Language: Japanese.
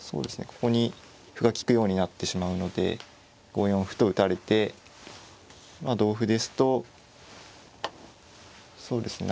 ここに歩が利くようになってしまうので５四歩と打たれて同歩ですとそうですね